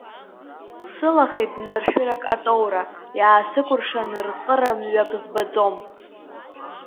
Сылахеит бнаршәырак атоура, иаасыкәыршан рҟыра мҩак збаӡом.